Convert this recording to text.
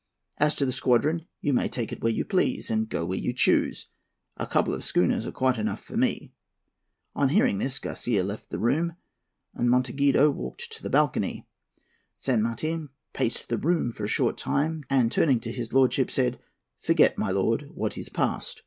As to the squadron, you may take it where you please, and go where you choose. A couple of schooners are quite enough for me.' On hearing this Garcia left the room, and Monteagudo walked to the balcony. San Martin paced the room for a short time, and, turning to his lordship, said, 'Forget, my lord, what is past.'